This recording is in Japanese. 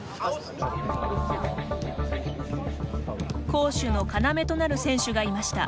攻守の要となる選手がいました。